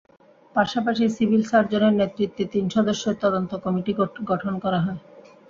পাশাপাশি সিভিল সার্জনের নেতৃত্বে তিন সদস্যের তদন্ত কমিটি গঠন করা হয়।